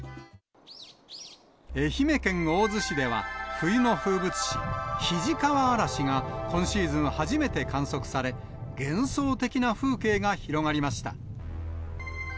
愛媛県大洲市では冬の風物詩、肱川あらしが今シーズン初めて観測され、幻想的な風景が広がりました。